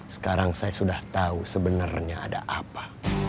sekarang saya sudah tahu sebenarnya ada apa